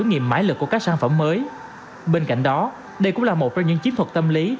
giá trực của các sản phẩm mới bên cạnh đó đây cũng là một trong những chiến thuật tâm lý